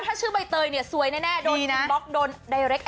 ถ้าชื่อใบเตยเนี่ยซวยแน่โดนอินบล็อก